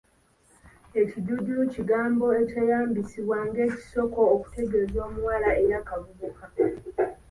Ekijuujulu kigambo ekyeyambisibwa ng’ekisoko okutegeeza omuwala eyaakavubuka.